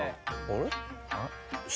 あれ？